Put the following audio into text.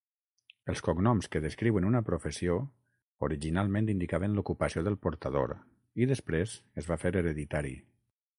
Els cognoms que descriuen una professió originalment indicaven l'ocupació del portador, i després es va fer hereditari.